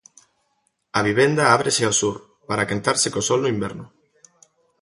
A vivenda ábrese ao sur, para quentarse co sol no inverno.